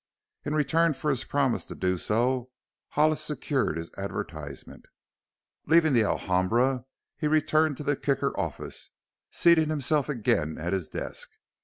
In return for his promise to do so Hollis secured his advertisement. Leaving the Alhambra he returned to the Kicker office, seating himself again at his desk.